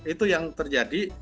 itu yang terjadi